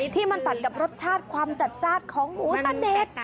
ที่มันตัดกับรสชาติความจัดของหมูสั้นเดช